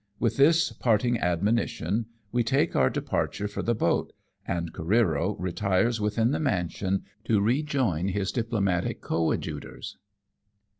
With this parting admonition, we take our departure for the boat, and Careero retires within the mansion to rejoin his diplomatic coadjutors.